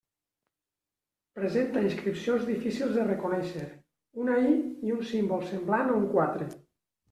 Presenta inscripcions difícils de reconèixer, una I i un símbol semblant a un quatre.